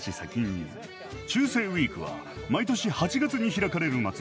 「中世ウイーク」は毎年８月に開かれる祭り。